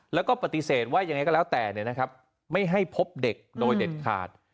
แล้วก็ปฏิเสธว่ายังไงก็แล้วแต่ไม่ให้พบเด็กโดยเด็ดขาด